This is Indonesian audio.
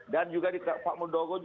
dan juga pak muldoko